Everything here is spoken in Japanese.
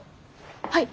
はい。